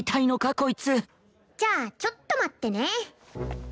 こいつじゃあちょっと待ってね。